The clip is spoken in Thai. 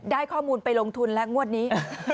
ได้ข้อมูลไปลงทุนแล้วงวดนี้